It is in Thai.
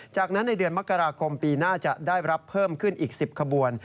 จากนั้นในเดือนมกราคมปีหน้าจะได้รับเพิ่มขึ้นอีก๑๐ขบวน